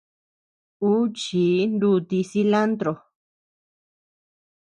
Uu chii nuutii cilantro.